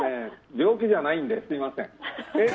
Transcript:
病気じゃないんですみません。